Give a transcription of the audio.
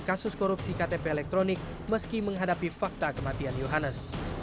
kasus korupsi ktp elektronik meski menghadapi fakta kematian yohanes